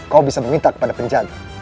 kau bisa meminta kepada penjaga